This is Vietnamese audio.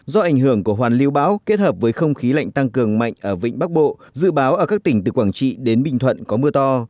do ảnh hưởng của hoàn lưu bão kết hợp với không khí lạnh tăng cường mạnh ở vịnh bắc bộ dự báo ở các tỉnh từ quảng trị đến bình thuận có mưa to